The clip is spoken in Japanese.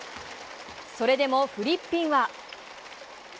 それでもフリッピンは。